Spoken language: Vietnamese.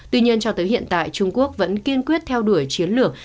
tuy nhiên cho tới hiện tại trung quốc vẫn kiên quyết theo đuổi chiến lược